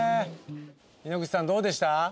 井ノ口さんどうでした？